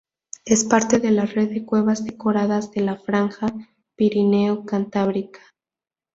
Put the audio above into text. Es parte de la red de cuevas decoradas de la franja pirineo-cantábrica.